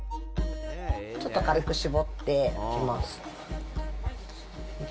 ちょっと軽く絞って拭きます。